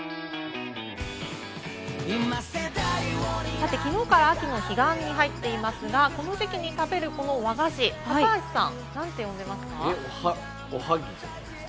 さて、きのうから秋の彼岸に入っていますが、この時期に食べる、この和菓子、おはぎじゃないですか？